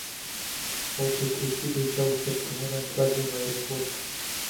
Au petrecut deja o săptămână întreagă în aeroport.